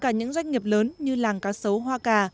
cả những doanh nghiệp lớn như làng cá sấu hoa cà